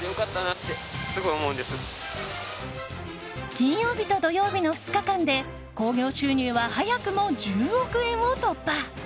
金曜日と土曜日の２日間で興行収入は早くも１０億円を突破。